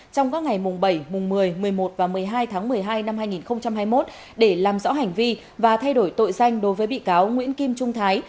trong các ngày mùng bảy mùng một mươi một mươi một và một mươi hai tháng một mươi hai năm hai nghìn hai mươi một để làm rõ hành vi và thay đổi tội danh đối với bị cáo nguyễn kim trung thái